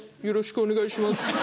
よろしくお願いします。